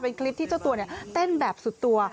เป็นคลิปที่เจ้าตัวเต้นแบบสุดตัว